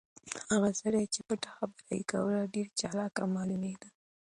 هغه سړی چې پټه خبره یې کوله ډېر چالاک معلومېده.